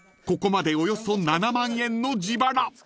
ここまでおよそ７万円の自腹］